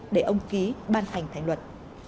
để ông ký ban hành thành luật